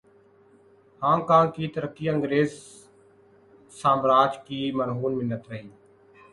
Hong Kong کی ترقی انگریز سامراج کی مرہون منت رہی۔